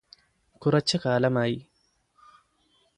കുറച്ച് കാലമായി